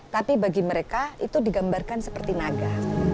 tapi bagi mereka itu digambarkan seperti naga